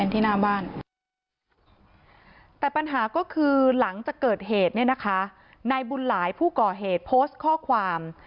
แต่ปัญหาก็คือหลังจากเกิดเหตุเนี่ยนะคะนายบุญหลายผู้ก่อเหตุโพสต์ข้อความ